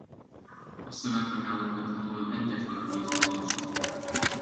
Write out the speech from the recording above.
A szöveg megállapíthatóan egyetlen kéz írása.